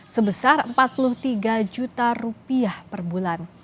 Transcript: sebesar empat puluh tiga juta rupiah per bulan